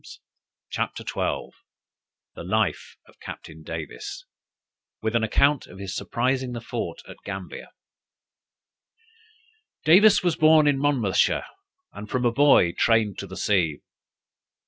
_] THE LIFE OF CAPTAIN DAVIS With an account of his surprising the Fort at Gambia. Davis was born in Monmouthshire, and, from a boy, trained to the sea.